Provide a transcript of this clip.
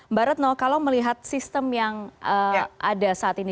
mbak retno kalau melihat sistem yang ada saat ini